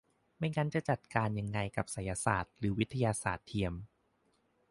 ไม่งั้นจะจัดการยังไงกับไสยศาสตร์หรือวิทยาศาสตร์เทียม